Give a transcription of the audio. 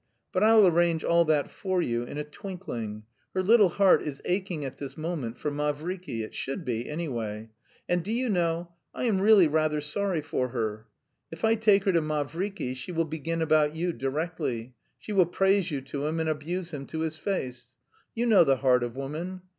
But I'll arrange all that for you in a twinkling: her little heart is aching at this moment for Mavriky; it should be, anyway.... And, do you know, I am really rather sorry for her? If I take her to Mavriky she will begin about you directly; she will praise you to him and abuse him to his face. You know the heart of woman!